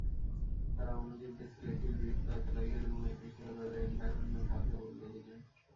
তারা অণুজীবদের selective breed করাতে লাগলেন এবং একই সাথে তাদের এনভায়রনমেন্ট হালকা বদলে দিলেন।